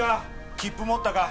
切符持ったか？